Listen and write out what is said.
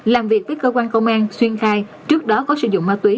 làm việc với cơ quan công an xuyên khai trước đó có sử dụng ma túy